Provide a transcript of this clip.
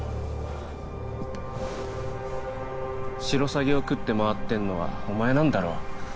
シロサギを喰って回ってんのはお前なんだろ？